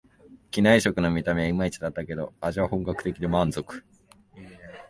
機内食の見た目はいまいちだったけど、味は本格的で満足